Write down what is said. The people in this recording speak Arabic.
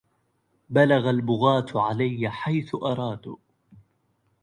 بلغ البغاة علي حيث أرادوا